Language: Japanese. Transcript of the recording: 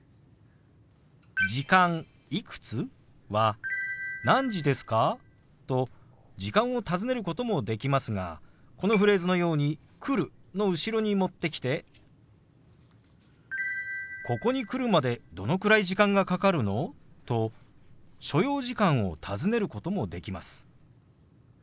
「時間いくつ？」は「何時ですか？」と時間を尋ねることもできますがこのフレーズのように「来る」の後ろに持ってきて「ここに来るまでどのくらい時間がかかるの？」と所要時間を尋ねることもできます。